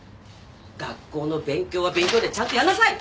学校の勉強は勉強でちゃんとやんなさい！